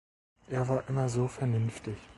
Er war immer so vernünftig.